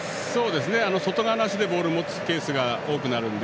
外側の足でボールを持つケースが多くなるので。